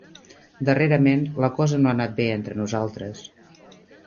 Darrerament la cosa no ha anat bé entre nosaltres.